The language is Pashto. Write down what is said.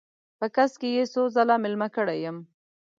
په کڅ کې یې څو ځله میلمه کړی یم.